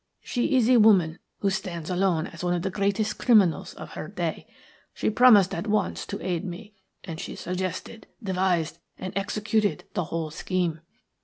She is a woman who stands alone as one of the greatest criminals of her day. She promised at once to aid me, and she suggested, devised, and executed the whole scheme.